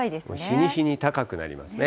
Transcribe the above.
日に日に高くなりますね。